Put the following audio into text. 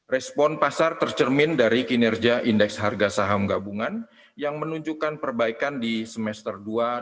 respon pasar tercermin dari kinerja indeks harga saham gabungan yang menunjukkan perbaikan di semester dua ribu dua puluh